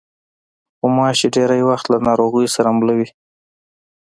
غوماشې ډېری وخت له ناروغیو سره مله وي.